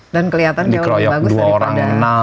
dan keliatan jauh lebih bagus daripada